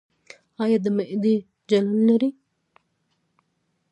ایا د معدې جلن لرئ؟